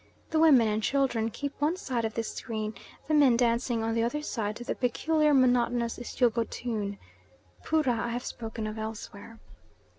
The women and children keep one side of this screen, the men dancing on the other side to the peculiar monotonous Isyogo tune. Poorah I have spoken of elsewhere.